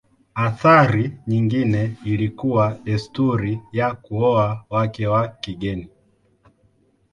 Athari nyingine ilikuwa desturi ya kuoa wake wa kigeni.